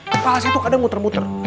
kepala saya tuh kadang muter muter